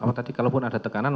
kalau tadi kalau pun ada tekanan